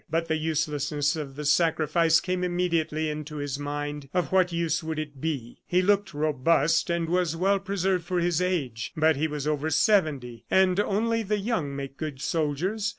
But the uselessness of the sacrifice came immediately into his mind. Of what use would it be? ... He looked robust and was well preserved for his age, but he was over seventy, and only the young make good soldiers.